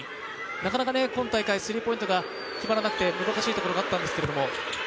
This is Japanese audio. なかなか今大会、スリーポイントが決まらなくてもどかしいところがあったんですけど。